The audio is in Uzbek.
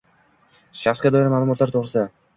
Shaxsga doir ma'lumotlar to'g'risida